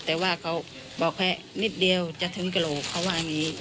แต่ว่าเขาบอกแค่นิดเดียวจะถึงกระโหลกเขาว่าอย่างนี้